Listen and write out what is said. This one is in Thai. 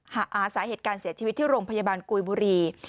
หาสาเหตุการเสียชีวิตที่โรงพยาบาลกุยบุรี